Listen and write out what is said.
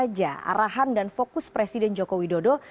apa saja arahan dan fokus presiden joko widodo